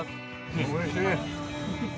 おいしい。